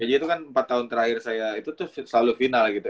aja itu kan empat tahun terakhir saya itu tuh selalu final gitu